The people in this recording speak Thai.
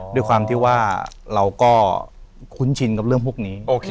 ด้วยความที่ว่าเราก็คุ้นชินกับเรื่องพวกนี้